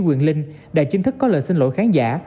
quyền linh đã chính thức có lời xin lỗi khán giả